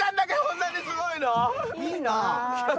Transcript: いいな。